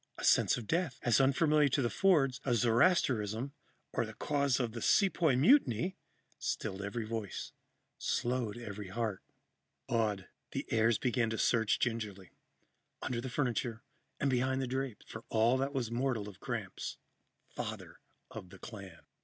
A sense of death, as unfamiliar to the Fords as Zoroastrianism or the causes of the Sepoy Mutiny, stilled every voice, slowed every heart. Awed, the heirs began to search gingerly, under the furniture and behind the drapes, for all that was mortal of Gramps, father of the clan.